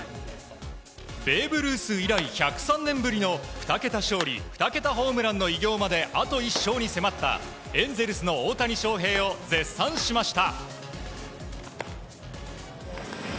ベーブ・ルース以来１０３年ぶりの２桁勝利２桁ホームランの偉業まであと１勝に迫ったエンゼルスの大谷翔平を絶賛しました。